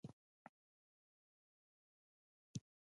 بزګر د بڼو او کروندو ساتونکی دی